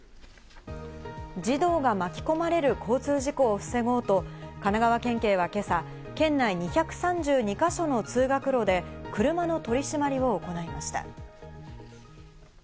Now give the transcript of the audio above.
児童が巻き込まれる交通事故を防ごうと、神奈川県警は今朝、県内２３２か所の通学路で車の取り締まりを行いました。